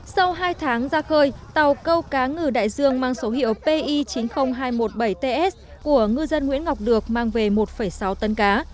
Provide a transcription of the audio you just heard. sau hai tháng ra khơi tàu câu cá ngừ đại dương mang số hiệu pi chín mươi nghìn hai trăm một mươi bảy ts của ngư dân nguyễn ngọc được mang về một sáu tấn cá